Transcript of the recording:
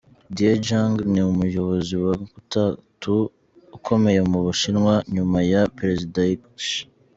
Dejiang ni umuyobozi wa gatatu ukomeye mu Bushinwa, nyuma ya Perezida Xi